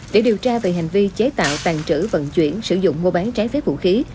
để điều tra về hành vi chế tạo tàn trữ vận chuyển sử dụng mua bán trái phép vũ khí